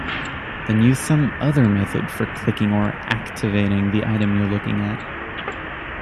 Then use some other method for clicking or "activating" the item you're looking at.